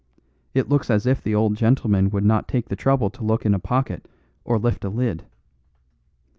It looks as if the old gentleman would not take the trouble to look in a pocket or lift a lid.